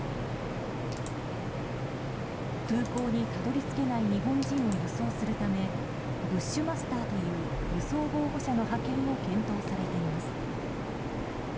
空港にたどり着けない日本人を輸送するためブッシュマスターという輸送防護車の派遣も検討されています。